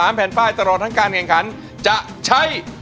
ไม่ใช่